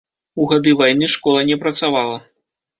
У гады вайны школа не працавала.